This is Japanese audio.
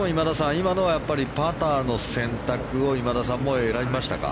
今のはパターの選択を今田さんも選びましたか？